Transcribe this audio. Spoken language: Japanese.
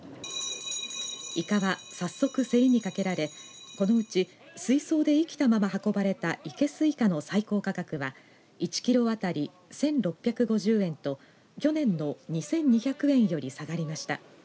イカは、早速競りにかけられこのうち水槽で生きたまま運ばれた生けすイカの最高価格は１キロあたり１６５０円と去年の２２００円より下がりました。